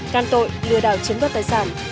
càng tội lừa đảo chiếm bắt tài sản